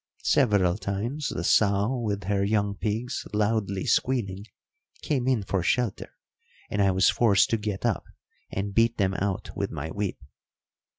Several times the sow, with her young pigs loudly squealing, came in for shelter, and I was forced to get up and beat them out with my whip.